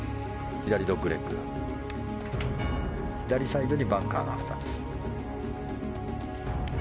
左サイドにバンカーが２つ。